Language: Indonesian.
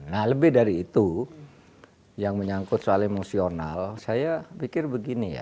nah lebih dari itu yang menyangkut soal emosional saya pikir begini ya